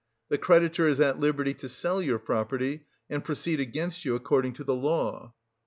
The creditor is at liberty to sell your property, and proceed against you according to the law."